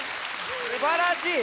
すばらしい！